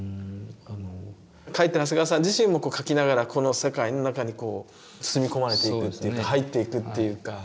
描いてる長谷川さん自身も描きながらこの世界の中にこう包み込まれていくっていうか入っていくっていうか。